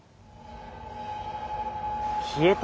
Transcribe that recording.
消えた？